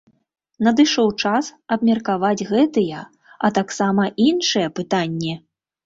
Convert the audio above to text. Надышоў час абмеркаваць гэтыя, а таксама іншыя пытанні!